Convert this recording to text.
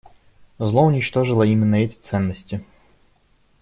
Зло уничтожило именно эти ценности.